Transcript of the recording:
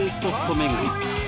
巡り